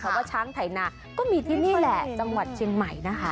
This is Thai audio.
เพราะว่าช้างไถนาก็มีที่นี่แหละจังหวัดเชียงใหม่นะคะ